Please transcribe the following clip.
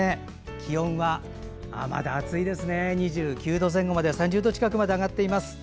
気温はまだ暑いですね３０度近くまで上がっています。